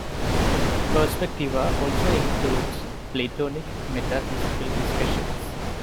"Perspectiva" also includes Platonic metaphysical discussions.